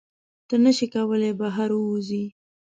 ته نشې کولی بهر ووځې.